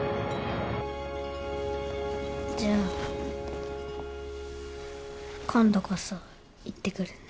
じゃあ今度こそ行ってくるね。